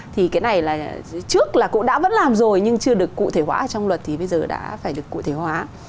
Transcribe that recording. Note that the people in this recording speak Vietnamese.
thì cái này là trước là cũng đã vẫn làm rồi nhưng chưa được cụ thể hóa trong luật thì bây giờ đã phải được cụ thể hóa